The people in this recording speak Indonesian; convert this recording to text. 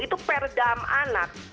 itu perdam anak